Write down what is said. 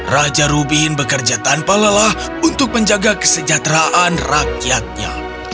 raja rubin bekerja tanpa lelah untuk menjaga kesejahteraan rakyatnya